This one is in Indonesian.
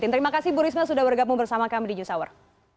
terima kasih bu risma sudah bergabung bersama kami di news hour